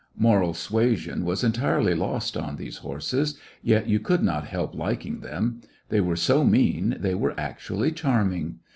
Moral suasion was entirely lost on those horseSj yet you could not help liking them j they were so mean they were actually charm ing